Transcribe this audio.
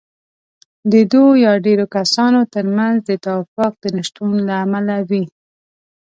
د دوو يا ډېرو کسانو ترمنځ د توافق د نشتون له امله وي.